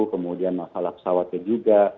kemudian masalah pesawatnya juga